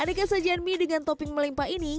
aneka sajian mie dengan topping melimpa ini